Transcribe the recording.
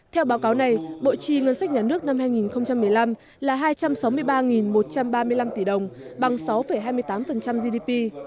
theo báo cáo này bộ chi ngân sách nhà nước năm hai nghìn một mươi năm là hai trăm sáu mươi ba một trăm ba mươi năm tỷ đồng bằng sáu hai mươi tám gdp